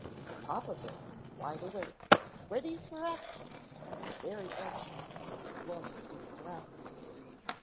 The papa bear was wide awake, ready for action and very anxious to explore his new surroundings.